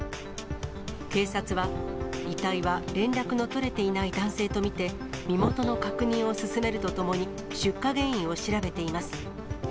警察は、遺体は連絡の取れていない男性と見て、身元の確認を進めるとともに、出火原因を調べています。